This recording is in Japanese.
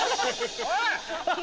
おい！